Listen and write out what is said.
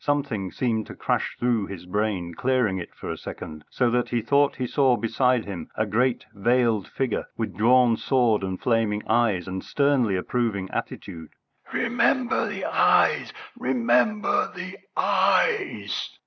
Something seemed to crash through his brain, clearing it for a second, so that he thought he saw beside him a great veiled figure, with drawn sword and flaming eyes, and sternly approving attitude. "Remember the eyes! Remember the eyes!"